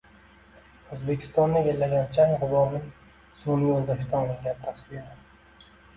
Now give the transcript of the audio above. O‘zbekistonni egallagan chang-g‘uborning sun’iy yo‘ldoshdan olingan tasviri